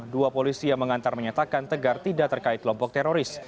dua polisi yang mengantar menyatakan tegar tidak terkait kelompok teroris